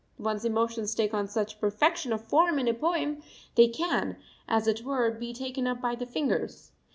One's emotions take on such perfection of form in a poem; they can, as it were, be taken up by the fingers.